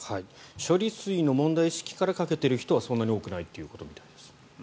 処理水の問題意識からかけている人はそんなに多くないということみたいです。